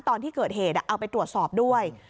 ตอนที่เกิดเหตุเอาไปตรวจสอบด้วย